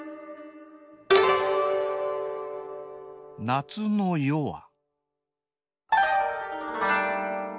「夏の夜は」